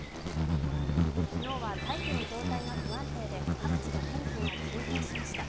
昨日は大気の状態が不安定で各地で天気が急変しました。